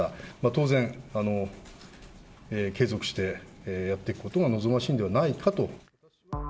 当然、継続してやっていくことが望ましいんではないかと。